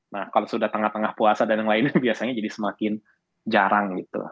nah kalau sudah tengah tengah puasa dan yang lainnya biasanya jadi semakin jarang gitu